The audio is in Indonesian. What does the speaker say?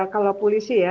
kalau polisi ya